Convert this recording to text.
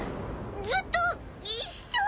ずっと一緒！？